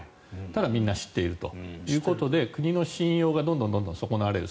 ただ、みんな知っているということで国の信用がどんどん損なわれる。